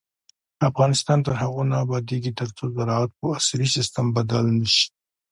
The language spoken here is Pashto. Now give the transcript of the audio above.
افغانستان تر هغو نه ابادیږي، ترڅو زراعت په عصري سیستم بدل نشي.